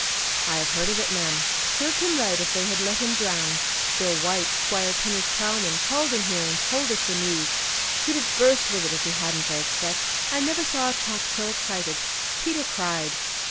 "I have heard of it, ma'am. Served him right, if they had let him drown! Bill White, Squire Pinner's plowman, called in here and told us the news. He'd have burst with it, if he hadn't, I expect; I never saw a chap so excited. Peter cried."